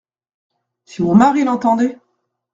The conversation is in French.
Si mon mari l’entendait !